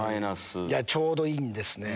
ちょうどいいんですね。